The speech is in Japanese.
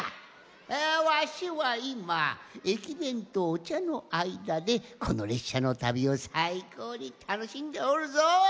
あわしはいまえきべんとおちゃのあいだでこのれっしゃのたびをさいこうにたのしんでおるぞ！